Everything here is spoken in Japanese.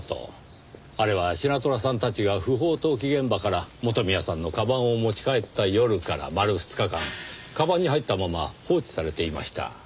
あれはシナトラさんたちが不法投棄現場から元宮さんの鞄を持ち帰った夜から丸２日間鞄に入ったまま放置されていました。